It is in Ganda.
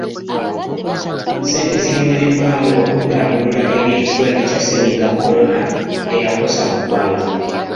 Ssente zigendereddwamu okuddabulula ebyekirwadde kya sennyiga kolona eyakosa muggwanga.